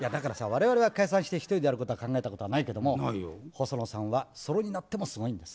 我々は解散して１人でやることは考えたことはないけども細野さんはソロになってもすごいんです。